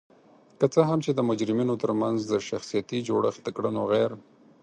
که څه هم چې د مجرمینو ترمنځ د شخصیتي جوړخت د کړنو غیر